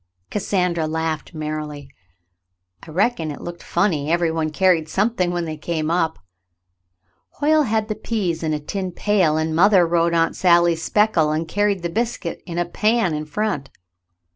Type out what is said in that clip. Cassandra laughed merrily. "I reckon it looked funny. Every one carried something when they came up. Hoyle had the peas in a tin pail, and mother rode Aunt Sally's Speckle and carried the biscuit in a pan on front.